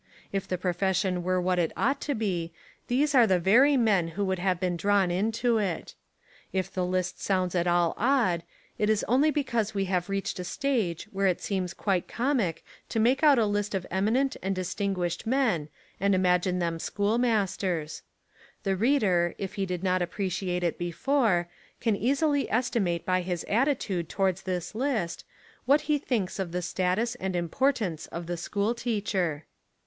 If the profession were what it ought to be these are the very men who would have been drawn into it. If the list sounds at all odd, it is only because we have reached a stage where it seems quite comic to make out a list of eminent and distinguished men and imagine them schoolmas ters. The reader, if he did not appreciate it before, can easily estimate by his attitude towards this list, what he thinks of the status and importance of the school teacher.